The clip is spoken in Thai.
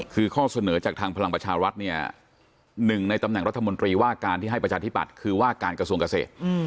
คือข้อเสนอจากทางพลังประชารัฐเนี่ยหนึ่งในตำแหน่งรัฐมนตรีว่าการที่ให้ประชาธิปัตย์คือว่าการกระทรวงเกษตร